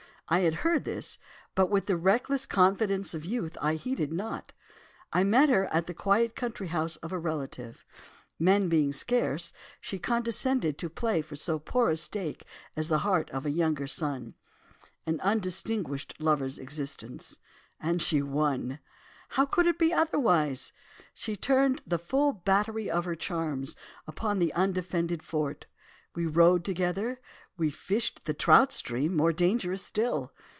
I had heard this, but with the reckless confidence of youth, I heeded not. I met her at the quiet country house of a relative; men being scarce, she condescended to play for so poor a stake as the heart of a younger son, an undistinguished lover's existence, and she won! "How could it be otherwise? She turned the full battery of her charms upon the undefended fort. We rode together, we fished the trout stream, more dangerous still.